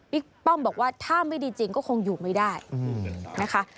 ป้อมบอกว่าถ้าไม่ดีจริงก็คงอยู่ไม่ได้นะคะ